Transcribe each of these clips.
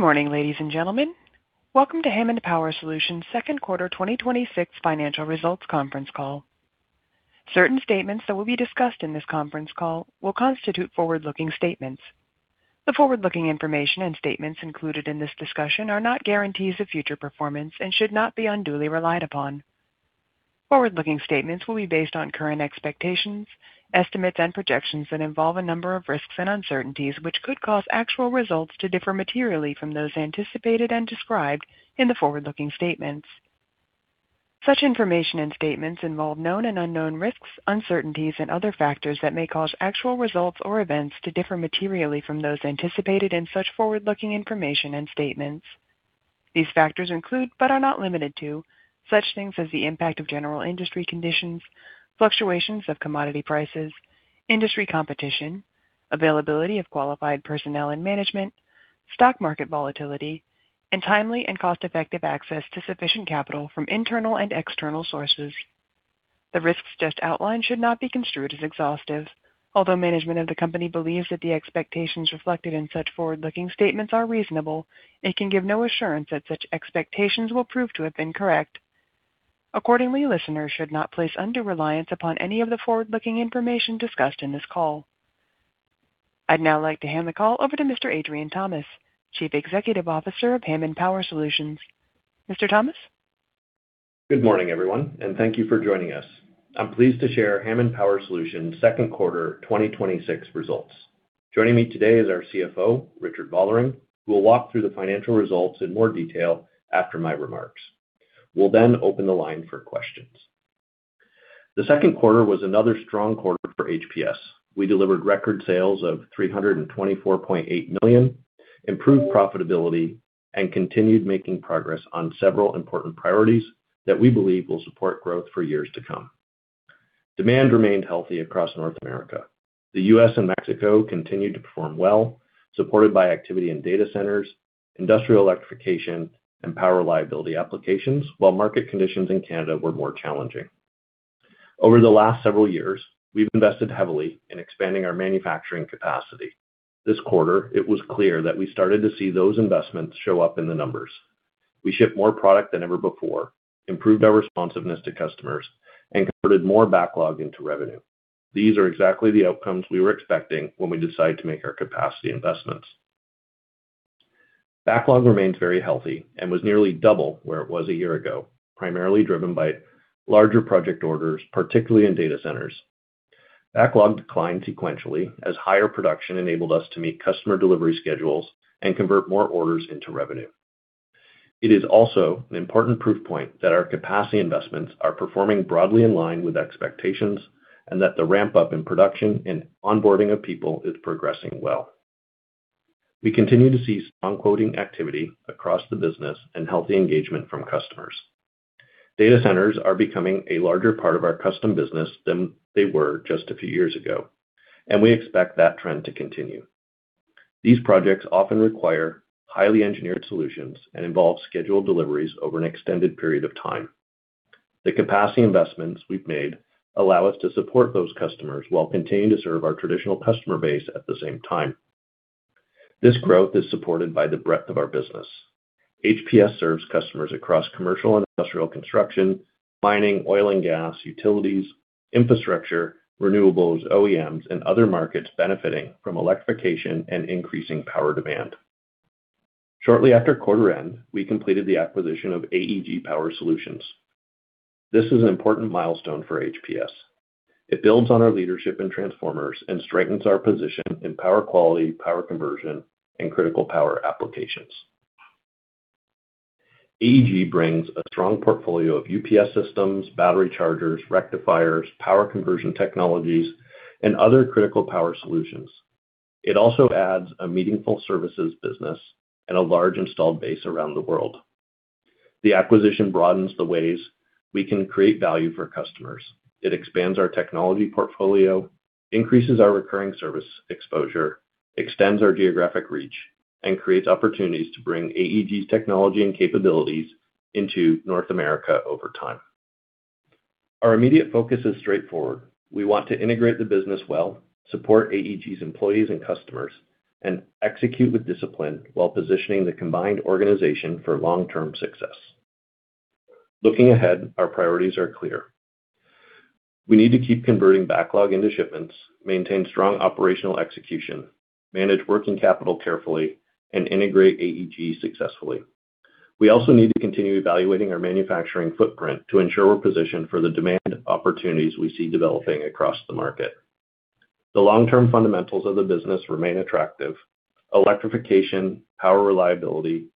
Good morning, ladies and gentlemen. Welcome to Hammond Power Solutions' second quarter 2026 financial results conference call. Certain statements that will be discussed in this conference call will constitute forward-looking statements. The forward-looking information and statements included in this discussion are not guarantees of future performance and should not be unduly relied upon. Forward-looking statements will be based on current expectations, estimates, and projections that involve a number of risks and uncertainties, which could cause actual results to differ materially from those anticipated and described in the forward-looking statements. Such information and statements involve known and unknown risks, uncertainties and other factors that may cause actual results or events to differ materially from those anticipated in such forward-looking information and statements. These factors include, but are not limited to, such things as the impact of general industry conditions, fluctuations of commodity prices, industry competition, availability of qualified personnel and management, stock market volatility, and timely and cost-effective access to sufficient capital from internal and external sources. The risks just outlined should not be construed as exhaustive. Although management of the company believes that the expectations reflected in such forward-looking statements are reasonable, it can give no assurance that such expectations will prove to have been correct. Accordingly, listeners should not place undue reliance upon any of the forward-looking information discussed in this call. I'd now like to hand the call over to Mr. Adrian Thomas, Chief Executive Officer of Hammond Power Solutions. Mr. Thomas. Good morning, everyone, and thank you for joining us. I'm pleased to share Hammond Power Solutions' second quarter 2026 results. Joining me today is our CFO, Richard Vollering, who will walk through the financial results in more detail after my remarks. We'll then open the line for questions. The second quarter was another strong quarter for HPS. We delivered record sales of 324.8 million, improved profitability, and continued making progress on several important priorities that we believe will support growth for years to come. Demand remained healthy across North America. The U.S. and Mexico continued to perform well, supported by activity in data centers, industrial electrification, and power reliability applications, while market conditions in Canada were more challenging. Over the last several years, we've invested heavily in expanding our manufacturing capacity. This quarter, it was clear that we started to see those investments show up in the numbers. We shipped more product than ever before, improved our responsiveness to customers, and converted more backlog into revenue. These are exactly the outcomes we were expecting when we decided to make our capacity investments. Backlog remains very healthy and was nearly double where it was a year ago, primarily driven by larger project orders, particularly in data centers. Backlog declined sequentially as higher production enabled us to meet customer delivery schedules and convert more orders into revenue. It is also an important proof point that our capacity investments are performing broadly in line with expectations, and that the ramp-up in production and onboarding of people is progressing well. We continue to see strong quoting activity across the business and healthy engagement from customers. Data centers are becoming a larger part of our custom business than they were just a few years ago, and we expect that trend to continue. These projects often require highly engineered solutions and involve scheduled deliveries over an extended period of time. The capacity investments we've made allow us to support those customers while continuing to serve our traditional customer base at the same time. This growth is supported by the breadth of our business. HPS serves customers across commercial and industrial construction, mining, oil and gas, utilities, infrastructure, renewables, OEMs, and other markets benefiting from electrification and increasing power demand. Shortly after quarter end, we completed the acquisition of AEG Power Solutions. This is an important milestone for HPS. It builds on our leadership in transformers and strengthens our position in power quality, power conversion, and critical power applications. AEG brings a strong portfolio of UPS systems, battery chargers, rectifiers, power conversion technologies, and other critical power solutions. It also adds a meaningful services business and a large installed base around the world. The acquisition broadens the ways we can create value for customers. It expands our technology portfolio, increases our recurring service exposure, extends our geographic reach, and creates opportunities to bring AEG's technology and capabilities into North America over time. Our immediate focus is straightforward. We want to integrate the business well, support AEG's employees and customers, and execute with discipline while positioning the combined organization for long-term success. Looking ahead, our priorities are clear. We need to keep converting backlog into shipments, maintain strong operational execution, manage working capital carefully, and integrate AEG successfully. We also need to continue evaluating our manufacturing footprint to ensure we're positioned for the demand opportunities we see developing across the market. The long-term fundamentals of the business remain attractive. Electrification, power reliability,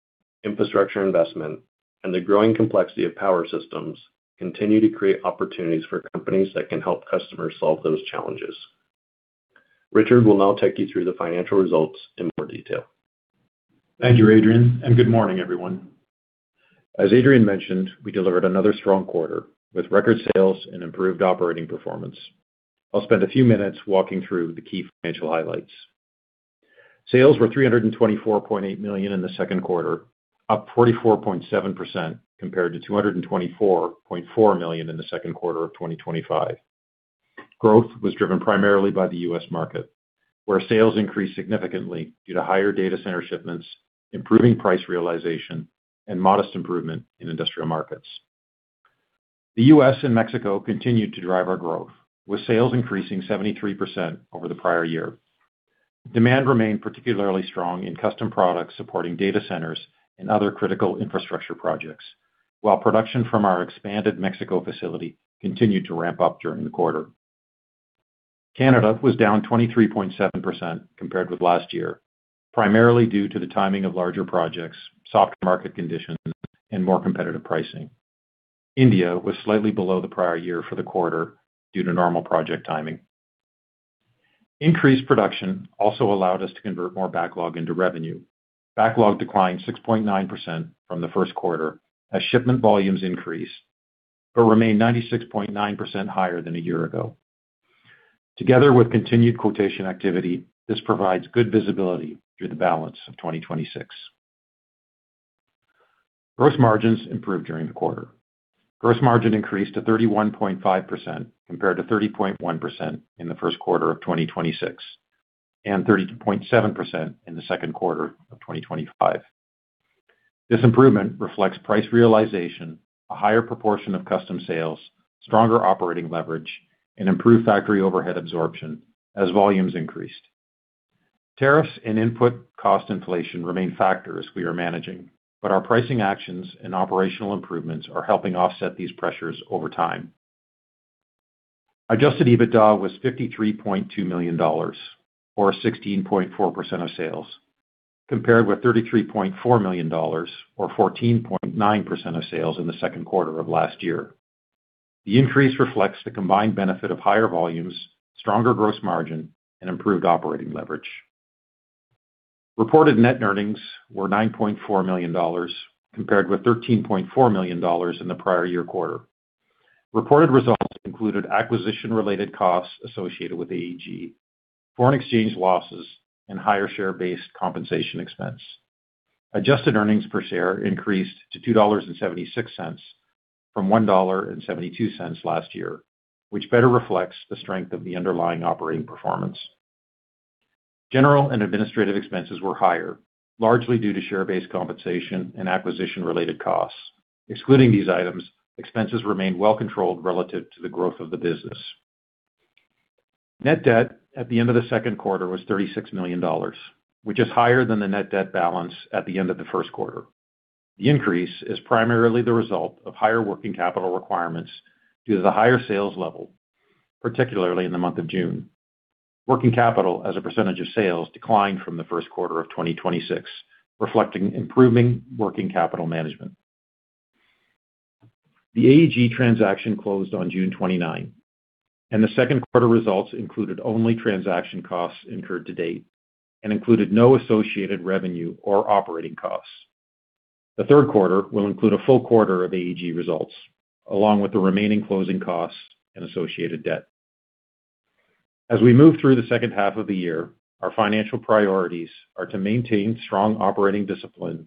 infrastructure investment, and the growing complexity of power systems continue to create opportunities for companies that can help customers solve those challenges. Richard will now take you through the financial results in more detail. Thank you, Adrian, good morning, everyone. As Adrian mentioned, we delivered another strong quarter with record sales and improved operating performance. I'll spend a few minutes walking through the key financial highlights. Sales were 324.8 million in the second quarter, up 44.7% compared to 224.4 million in the second quarter of 2025. Growth was driven primarily by the U.S. market, where sales increased significantly due to higher data center shipments, improving price realization, and modest improvement in industrial markets. The U.S. and Mexico continued to drive our growth, with sales increasing 73% over the prior year. Demand remained particularly strong in custom products supporting data centers and other critical infrastructure projects, while production from our expanded Mexico facility continue to ramp up during the quarter. Canada was down 23.7% compared with last year, primarily due to the timing of larger projects, soft market conditions, and more competitive pricing. India was slightly below the prior year for the quarter due to normal project timing. Increased production also allowed us to convert more backlog into revenue. Backlog declined 6.9% from the first quarter as shipment volumes increased, but remained 96.9% higher than a year ago. Together with continued quotation activity, this provides good visibility through the balance of 2026. Gross margins improved during the quarter. Gross margin increased to 31.5% compared to 30.1% in the first quarter of 2026, and 32.7% in the second quarter of 2025. This improvement reflects price realization, a higher proportion of custom sales, stronger operating leverage, and improved factory overhead absorption as volumes increased. Tariffs and input cost inflation remain factors we are managing, but our pricing actions and operational improvements are helping offset these pressures over time. Adjusted EBITDA was 53.2 million dollars, or 16.4% of sales, compared with 33.4 million dollars, or 14.9% of sales in the second quarter of last year. The increase reflects the combined benefit of higher volumes, stronger gross margin, and improved operating leverage. Reported net earnings were 9.4 million dollars, compared with 13.4 million dollars in the prior year quarter. Reported results included acquisition-related costs associated with AEG, foreign exchange losses, and higher share-based compensation expense. Adjusted earnings per share increased to 2.76 dollars from 1.72 dollar last year, which better reflects the strength of the underlying operating performance. General and administrative expenses were higher, largely due to share-based compensation and acquisition-related costs. Excluding these items, expenses remained well controlled relative to the growth of the business. Net debt at the end of the second quarter was 36 million dollars, which is higher than the net debt balance at the end of the first quarter. The increase is primarily the result of higher working capital requirements due to the higher sales level, particularly in the month of June. Working capital as a percentage of sales declined from the first quarter of 2026, reflecting improving working capital management. The AEG transaction closed on June 29, and the second quarter results included only transaction costs incurred to date and included no associated revenue or operating costs. The third quarter will include a full quarter of AEG results, along with the remaining closing costs and associated debt. As we move through the second half of the year, our financial priorities are to maintain strong operating discipline,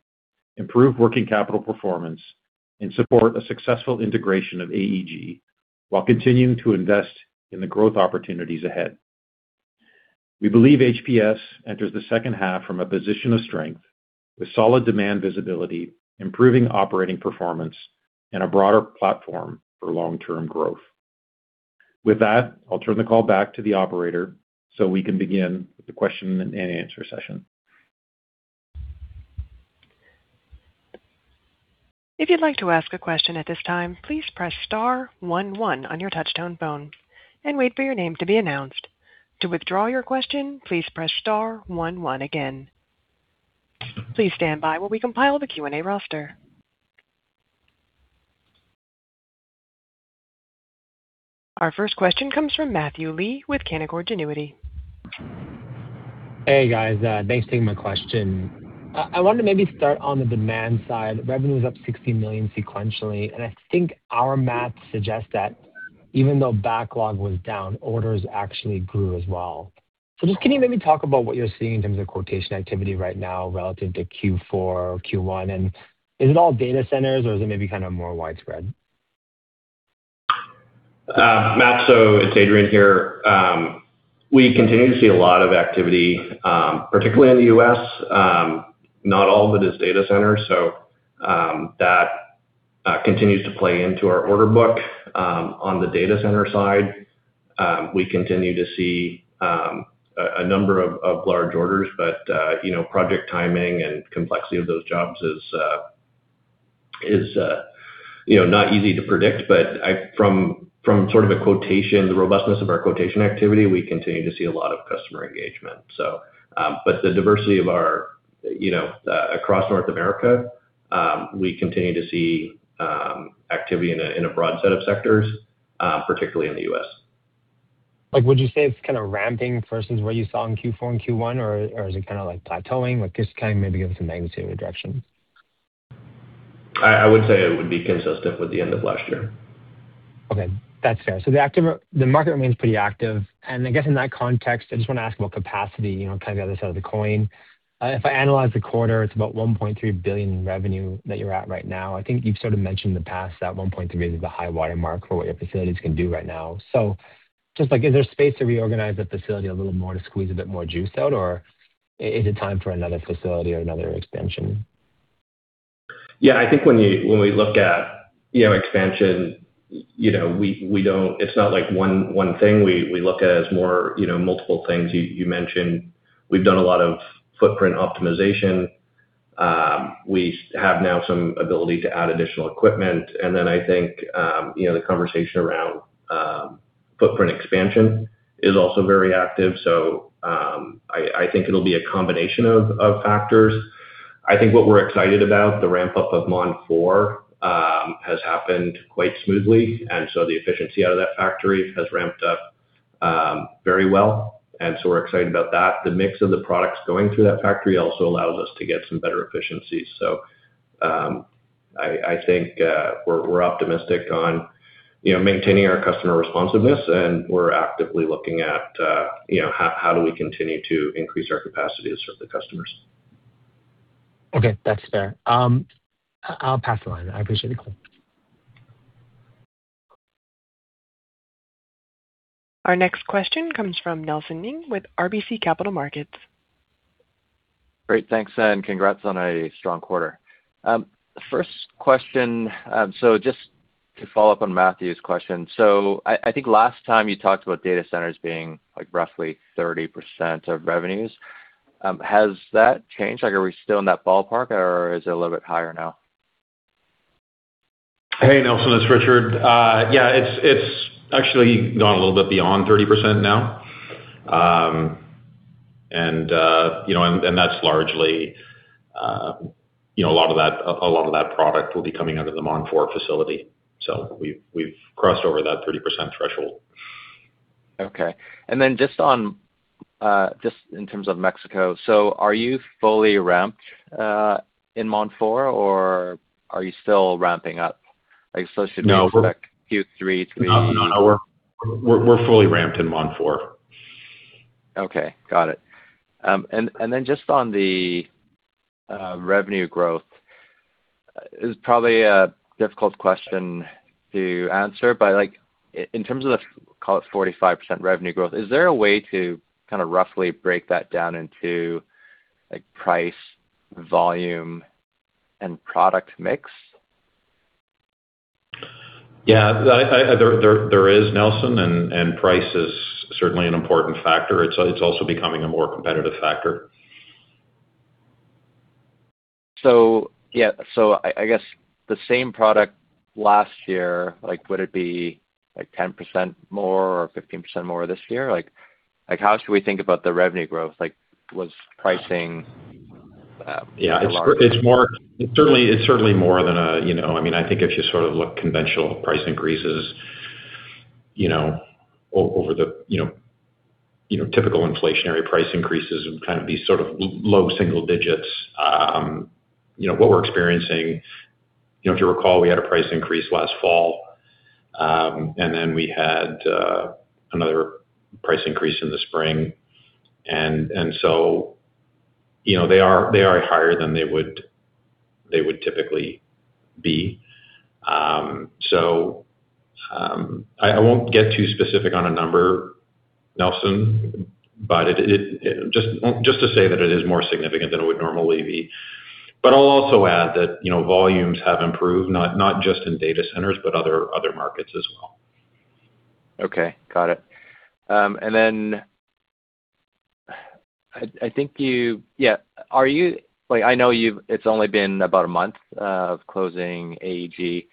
improve working capital performance, and support a successful integration of AEG while continuing to invest in the growth opportunities ahead. We believe HPS enters the second half from a position of strength with solid demand visibility, improving operating performance, and a broader platform for long-term growth. With that, I'll turn the call back to the operator so we can begin with the question-and-answer session. If you'd like to ask a question at this time, please press star one one on your touchtone phone and wait for your name to be announced. To withdraw your question, please press star one one again. Please stand by while we compile the Q&A roster. Our first question comes from Matthew Lee with Canaccord Genuity. Hey, guys. Thanks for taking my question. I wanted to maybe start on the demand side. Revenue's up 60 million sequentially, I think our math suggests that even though backlog was down, orders actually grew as well. Just can you maybe talk about what you're seeing in terms of quotation activity right now relative to Q4 or Q1? Is it all data centers, or is it maybe kind of more widespread? Matt, it's Adrian here. We continue to see a lot of activity, particularly in the U.S, not all of it is data centers, that continues to play into our order book. On the data center side, we continue to see a number of large orders that project timing and complexity of those jobs is not easy to predict. From sort of a quotation, the robustness of our quotation activity, we continue to see a lot of customer engagement. The diversity across North America, we continue to see activity in a broad set of sectors, particularly in the U.S. Would you say it's kind of ramping versus what you saw in Q4 and Q1, or is it kind of plateauing? Just kind of maybe give us a magnitude or direction. I would say it would be consistent with the end of last year. Okay. That's fair. The market remains pretty active. I guess in that context, I just want to ask about capacity, kind of the other side of the coin. If I analyze the quarter, it's about 1.3 billion in revenue that you're at right now. I think you've sort of mentioned in the past that 1.3 billion is the high water mark for what your facilities can do right now. Just is there space to reorganize the facility a little more to squeeze a bit more juice out, or is it time for another facility or another expansion? Yeah. I think when we look at expansion, it's not like one thing we look at as more multiple things you mentioned. We've done a lot of footprint optimization. We have now some ability to add additional equipment, I think, the conversation around footprint expansion is also very active. I think it'll be a combination of factors. I think what we're excited about, the ramp-up of Mont 4 has happened quite smoothly, the efficiency out of that factory has ramped up very well. We're excited about that. The mix of the products going through that factory also allows us to get some better efficiencies. I think we're optimistic on maintaining our customer responsiveness, and we're actively looking at how do we continue to increase our capacity to serve the customers. Okay, that's fair. I'll pass the line. I appreciate the call. Our next question comes from Nelson Ng with RBC Capital Markets. Great, thanks. Congrats on a strong quarter. First question, just to follow up on Matthew's question. I think last time you talked about data centers being roughly 30% of revenues. Has that changed? Are we still in that ballpark, or is it a little bit higher now? Hey, Nelson, it's Richard. Yeah, it's actually gone a little bit beyond 30% now. That's largely a lot of that product will be coming out of the Mont 4 facility. We've crossed over that 30% threshold. Okay. Then just in terms of Mexico, are you fully ramped in Mont 4, or are you still ramping up? Should we expect? No. Q3 No, we're fully ramped in Mont 4. Okay, got it. Just on the revenue growth. It's probably a difficult question to answer, but in terms of the, call it 45% revenue growth, is there a way to kind of roughly break that down into price, volume, and product mix? Yeah. There is, Nelson. Price is certainly an important factor. It's also becoming a more competitive factor. I guess the same product last year, would it be 10% more or 15% more this year? How should we think about the revenue growth? Was pricing- Yeah. ...a large part? It's certainly more than I think if you sort of look conventional price increases over the typical inflationary price increases would kind of be sort of low single digits. What we're experiencing, if you recall, we had a price increase last fall, then we had another price increase in the spring. They are higher than they would typically be. I won't get too specific on a number, Nelson, but just to say that it is more significant than it would normally be. I'll also add that volumes have improved, not just in data centers, but other markets as well. Okay, got it. I know it's only been about a month of closing AEG,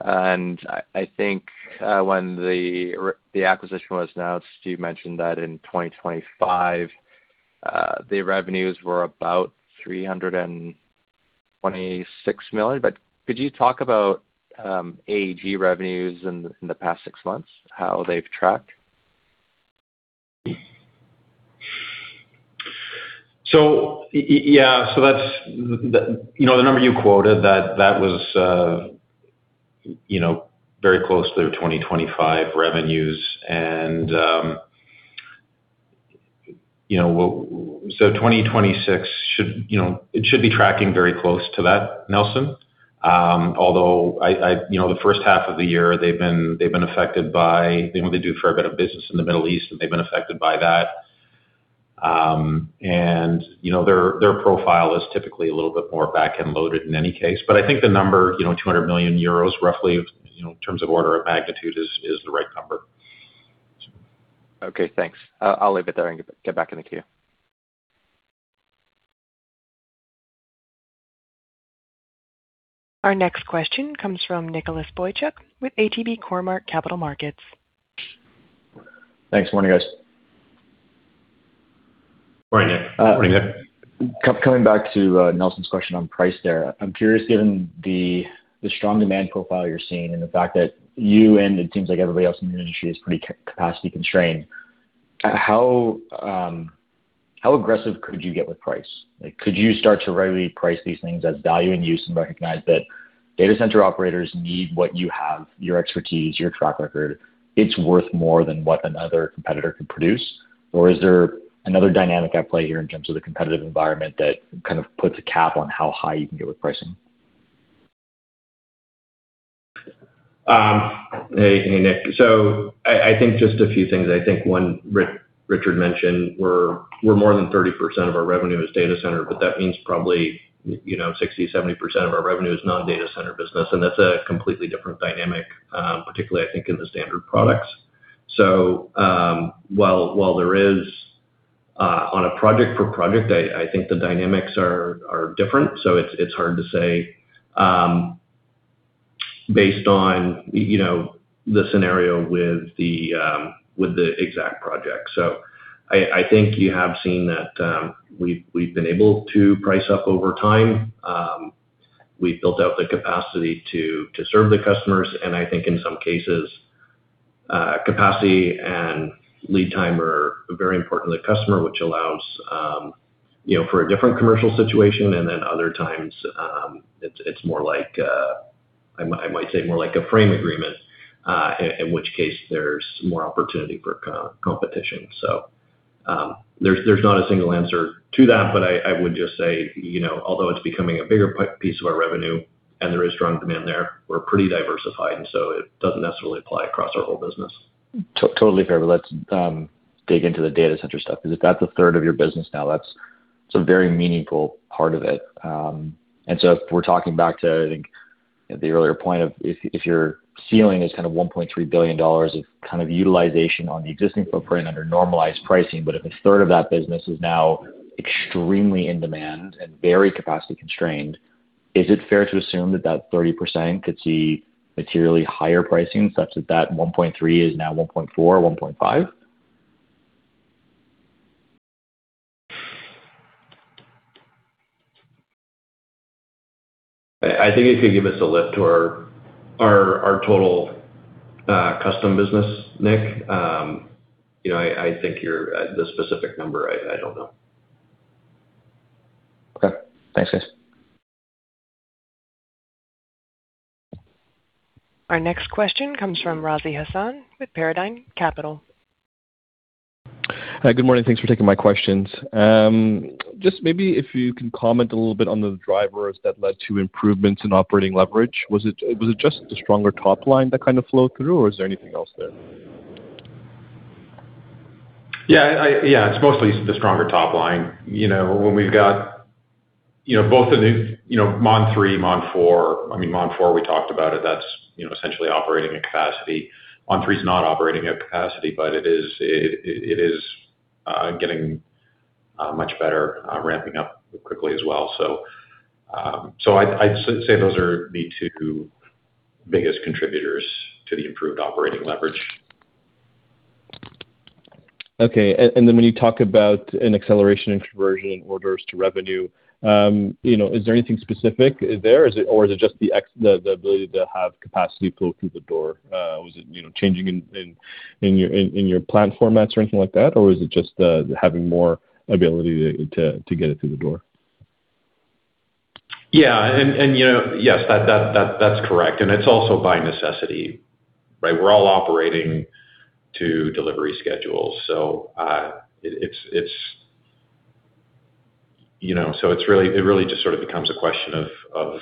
and I think when the acquisition was announced, you mentioned that in 2025, the revenues were about 326 million. Could you talk about AEG revenues in the past six months, how they've tracked? Yeah, the number you quoted, that was very close to the 2025 revenues. 2026, it should be tracking very close to that, Nelson. Although the first half of the year, they've been affected by they do a fair bit of business in the Middle East, and they've been affected by that. Their profile is typically a little bit more back-end loaded in any case. I think the number 200 million euros roughly in terms of order of magnitude is the right number. Okay, thanks. I'll leave it there and get back in the queue. Our next question comes from Nicholas Boychuk with ATB Cormark Capital Markets. Thanks. Morning, guys. Morning, Nick. Coming back to Nelson's question on price there. I'm curious, given the strong demand profile you're seeing and the fact that you and it seems like everybody else in your industry is pretty capacity-constrained, how aggressive could you get with price? Could you start to rightly price these things as value in use and recognize that data center operators need what you have, your expertise, your track record, it's worth more than what another competitor could produce? Or is there another dynamic at play here in terms of the competitive environment that kind of puts a cap on how high you can get with pricing? Hey, Nick. I think just a few things. I think one Richard mentioned, where more than 30% of our revenue is data center, but that means probably 60%-70% of our revenue is non-data center business. That's a completely different dynamic, particularly, I think, in the standard products. While there is on a project per project, I think the dynamics are different, it's hard to say based on the scenario with the exact project. I think you have seen that we've been able to price up over time. We've built out the capacity to serve the customers, and I think in some cases, capacity and lead time are very important to the customer, which allows for a different commercial situation. Other times, it's more like a frame agreement, in which case there's more opportunity for competition. There's not a single answer to that, I would just say, although it's becoming a bigger piece of our revenue and there is strong demand there, we're pretty diversified. It doesn't necessarily apply across our whole business. Totally fair. Let's dig into the data center stuff, because if that's a third of your business now, that's a very meaningful part of it. If we're talking back to, I think the earlier point of if your ceiling is 1.3 billion dollars of kind of utilization on the existing footprint under normalized pricing, if a third of that business is now extremely in demand and very capacity constrained, is it fair to assume that 30% could see materially higher pricing such that 1.3 billion is now 1.4 billion or CAD 1.5 billion? I think it could give us a lift to our total custom business, Nick. The specific number, I don't know. Okay. Thanks, guys. Our next question comes from Razi Hasan with Paradigm Capital. Hi. Good morning. Thanks for taking my questions. Just maybe if you can comment a little bit on the drivers that led to improvements in operating leverage. Was it just the stronger top line that kind of flowed through or is there anything else there? Yeah, it's mostly the stronger top line. When we've got both the new Mont 3, Mont 4, I mean, Mont 4, we talked about it. That's essentially operating at capacity. Mont 3 is not operating at capacity, but it is getting much better, ramping up quickly as well. I'd say those are the two biggest contributors to the improved operating leverage. Okay. When you talk about an acceleration in conversion in orders to revenue, is there anything specific there? Is it just the ability to have capacity flow through the door? Was it changing in your plan formats or anything like that, or is it just having more ability to get it through the door? Yeah. Yes, that's correct. It's also by necessity, right? We're all operating to delivery schedules. It really just sort of becomes a question of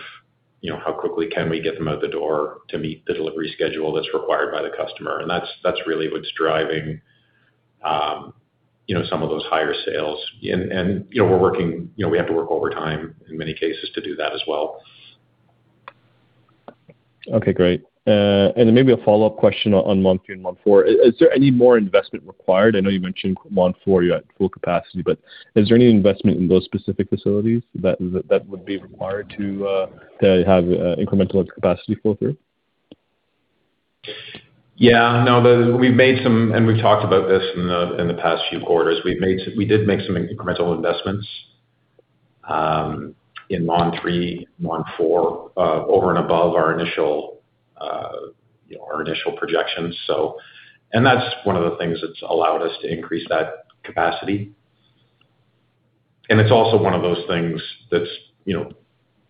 how quickly can we get them out the door to meet the delivery schedule that's required by the customer. That's really what's driving some of those higher sales. We have to work overtime in many cases to do that as well. Okay, great. Maybe a follow-up question on Mont 3 and Mont 4. Is there any more investment required? I know you mentioned Mont 4, you're at full capacity, but is there any investment in those specific facilities that would be required to have incremental capacity flow through? Yeah. No, we've made some, and we've talked about this in the past few quarters. We did make some incremental investments in Mont 3 and Mont 4, over and above our initial projections. That's one of the things that's allowed us to increase that capacity. It's also one of those things that's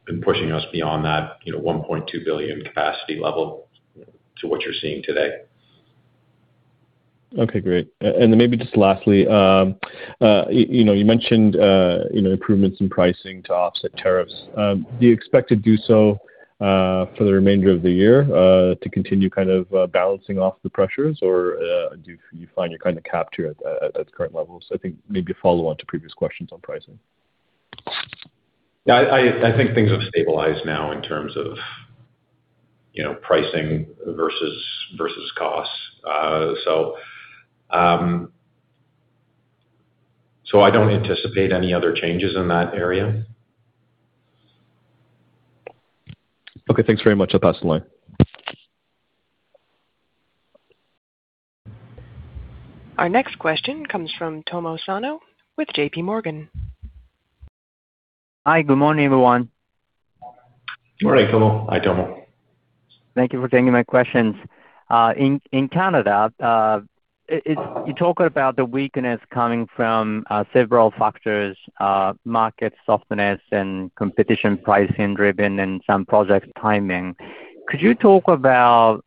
been pushing us beyond that 1.2 billion capacity level to what you're seeing today. Okay, great. Maybe just lastly, you mentioned improvements in pricing to offset tariffs. Do you expect to do so for the remainder of the year to continue kind of balancing off the pressures, or do you find you're kind of capped here at the current levels? I think maybe a follow-on to previous questions on pricing. Yeah, I think things have stabilized now in terms of pricing versus costs. I don't anticipate any other changes in that area. Okay, thanks very much. I'll pass the line. Our next question comes from Tomo Sano with JPMorgan. Hi, good morning, everyone. Good morning, Tomo. Hi, Tomo. Thank you for taking my questions. In Canada, you talked about the weakness coming from several factors, market softness and competition pricing driven and some project timing. Could you talk about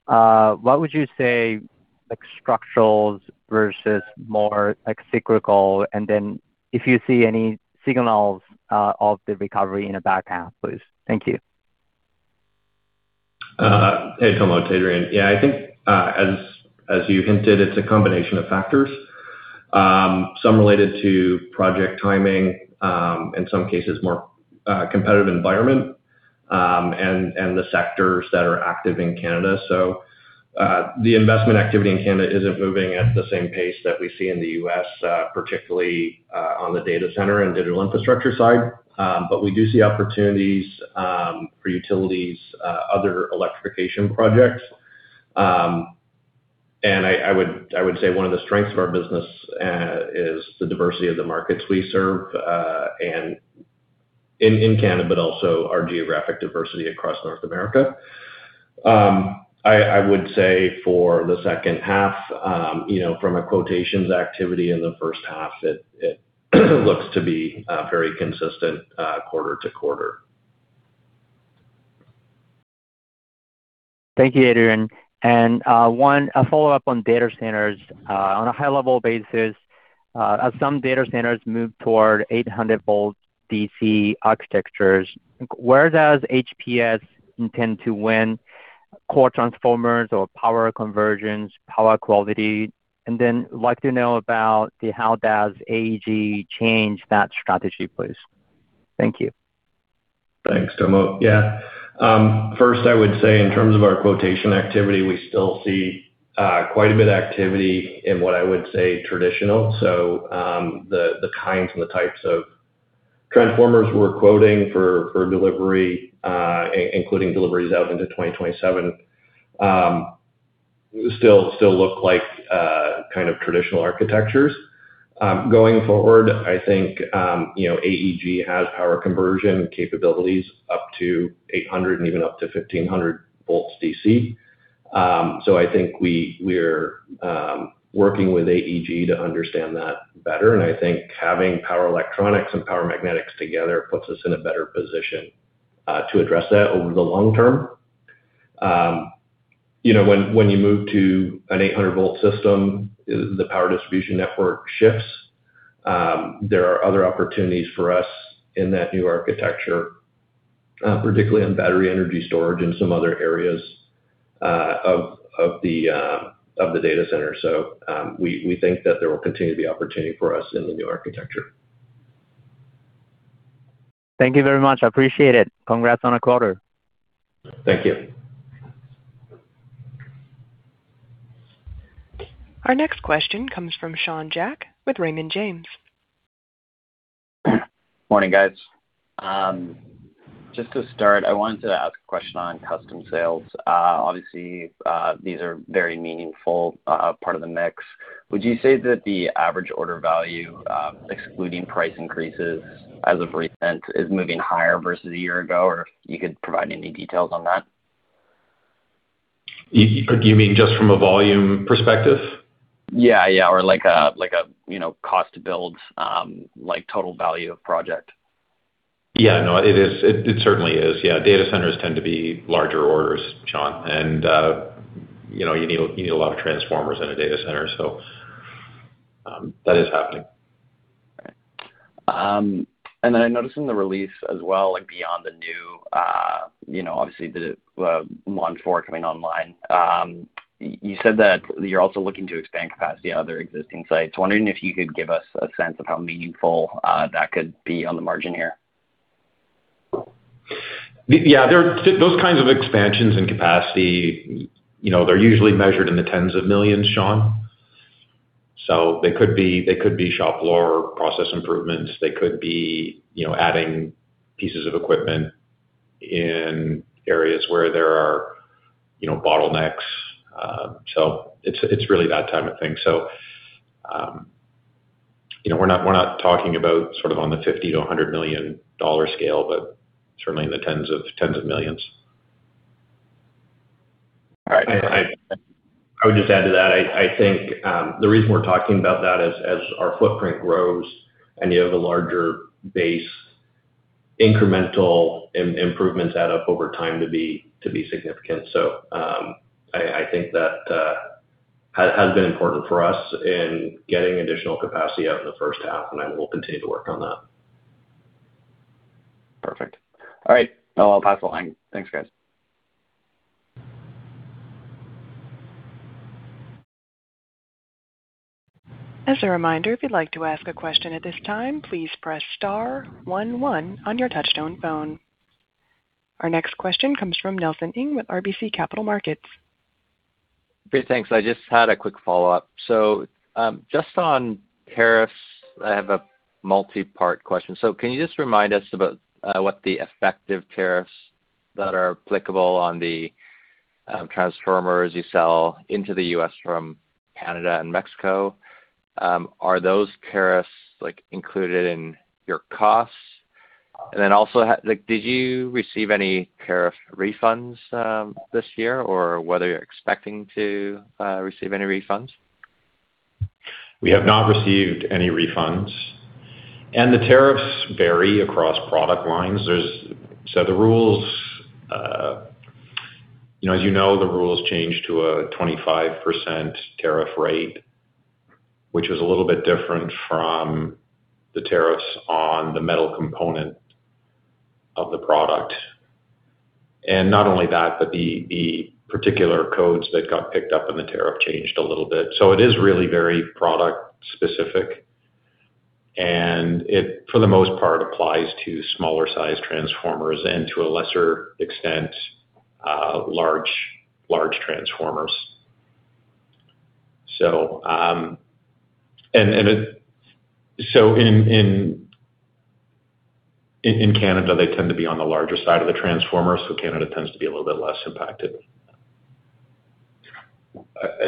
what would you say like structurals versus more cyclical, and then if you see any signals of the recovery in the back half, please. Thank you. Hey Tomo, it's Adrian. Yeah, I think as you hinted, it's a combination of factors. Some related to project timing, in some cases more competitive environment, and the sectors that are active in Canada. The investment activity in Canada isn't moving at the same pace that we see in the U.S., particularly on the data center and digital infrastructure side. We do see opportunities for utilities, other electrification projects. I would say one of the strengths of our business is the diversity of the markets we serve in Canada, but also our geographic diversity across North America. I would say for the second half, from a quotations activity in the first half, it looks to be very consistent quarter-to-quarter. Thank you, Adrian. One, a follow-up on data centers. On a high-level basis, as some data centers move toward 800 v DC architectures, where does HPS intend to win core transformers or power conversions, power quality? Then like to know about how does AEG change that strategy, please. Thank you. Thanks, Tomo. Yeah. First, I would say in terms of our quotation activity, we still see quite a bit activity in what I would say traditional. The kinds and the types of transformers we're quoting for delivery, including deliveries out into 2027, still look like kind of traditional architectures. Going forward, I think AEG has power conversion capabilities up to 800 v and even up to 1,500 v DC. I think we're working with AEG to understand that better, and I think having power electronics and power magnetics together puts us in a better position to address that over the long term. When you move to an 800-v system, the power distribution network shifts. There are other opportunities for us in that new architecture, particularly on battery energy storage and some other areas of the data center. We think that there will continue to be opportunity for us in the new architecture. Thank you very much. I appreciate it. Congrats on a quarter. Thank you. Our next question comes from Sean Jack with Raymond James. Morning, guys. Just to start, I wanted to ask a question on custom sales. Obviously, these are very meaningful part of the mix. Would you say that the average order value, excluding price increases as of recent, is moving higher versus a year ago? Or if you could provide any details on that. You mean just from a volume perspective? Yeah. Like a cost to build, like total value of project. Yeah, no, it certainly is. Yeah. Data centers tend to be larger orders, Sean, and you need a lot of transformers in a data center, so that is happening. Right. I noticed in the release as well, like beyond the new, obviously the Mont 4 coming online. You said that you're also looking to expand capacity on other existing sites. Wondering if you could give us a sense of how meaningful that could be on the margin here. Yeah. Those kinds of expansions and capacity, they're usually measured in the tens of millions, Sean. They could be shop floor process improvements. They could be adding pieces of equipment in areas where there are bottlenecks. It's really that type of thing. We're not talking about sort of on the 50 million-100 million dollar scale, but certainly in the tens of millions. All right. I would just add to that, I think, the reason we're talking about that as our footprint grows and you have a larger base, incremental improvements add up over time to be significant. I think that has been important for us in getting additional capacity out in the first half, and we'll continue to work on that. Perfect. All right. Well, I'll pass the line. Thanks, guys. As a reminder, if you'd like to ask a question at this time, please press star one one on your touchtone phone. Our next question comes from Nelson Ng with RBC Capital Markets. Great. Thanks. I just had a quick follow-up. Just on tariffs, I have a multi-part question. Can you just remind us about what the effective tariffs that are applicable on the transformers you sell into the U.S. from Canada and Mexico? Are those tariffs included in your costs? Also, did you receive any tariff refunds this year or whether you're expecting to receive any refunds? We have not received any refunds. The tariffs vary across product lines. As you know, the rules changed to a 25% tariff rate, which was a little bit different from the tariffs on the metal component of the product. Not only that, but the particular codes that got picked up in the tariff changed a little bit. It is really very product specific, and it, for the most part, applies to smaller size transformers and to a lesser extent, large transformers. In Canada, they tend to be on the larger side of the transformer, Canada tends to be a little bit less impacted.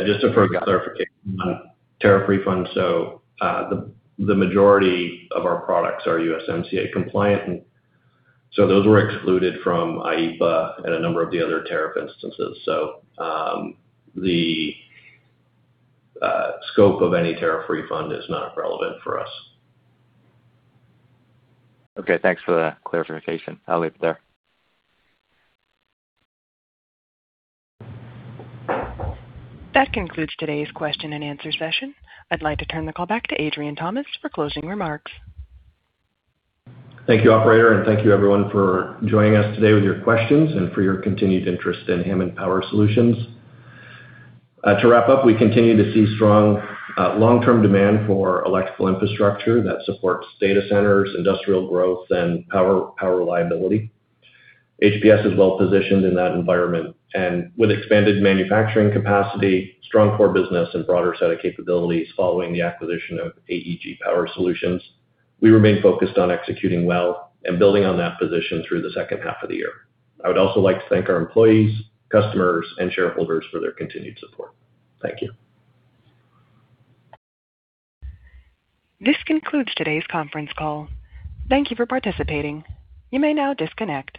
Just for clarification on tariff refunds, the majority of our products are USMCA compliant, those were excluded from IEEPA and a number of the other tariff instances. The scope of any tariff refund is not relevant for us. Okay, thanks for the clarification. I'll leave it there. That concludes today's question-and-answer session. I'd like to turn the call back to Adrian Thomas for closing remarks. Thank you, operator, and thank you everyone for joining us today with your questions and for your continued interest in Hammond Power Solutions. To wrap up, we continue to see strong long-term demand for electrical infrastructure that supports data centers, industrial growth, and power reliability. HPS is well positioned in that environment. With expanded manufacturing capacity, strong core business, and broader set of capabilities following the acquisition of AEG Power Solutions, we remain focused on executing well and building on that position through the second half of the year. I would also like to thank our employees, customers, and shareholders for their continued support. Thank you. This concludes today's conference call. Thank you for participating. You may now disconnect.